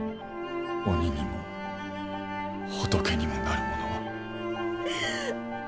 鬼にも仏にもなる者は。